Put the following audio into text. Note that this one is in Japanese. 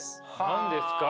何ですか？